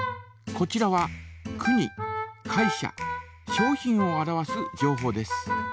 こちらは国会社商品を表す情報です。